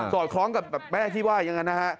อดคล้องกับแม่ที่ว่าอย่างนั้นนะฮะ